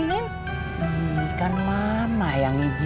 ini kan mama yang iji